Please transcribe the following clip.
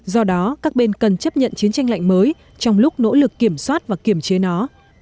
do đó các bên cần chấp nhận chiến tranh lạnh mới trong lúc nỗ lực kiểm soát và kiểm chế nó